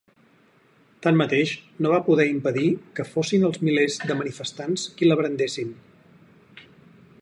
Tanmateix, no va poder impedir que fossin els milers de manifestants qui la brandessin.